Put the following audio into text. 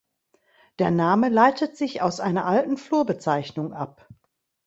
Der Name leitet sich aus einer alten Flurbezeichnung ab.